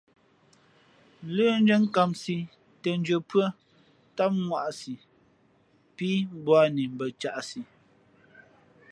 Lə́ndʉ́ά nkāmsī těndʉ̄ᾱ pʉ́ά tám ŋwāꞌsī pí mbūαni mbα caʼsi.